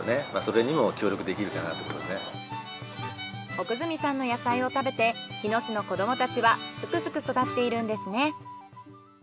奥住さんの野菜を食べて日野市の子どもたちはすくすく育っているんですね。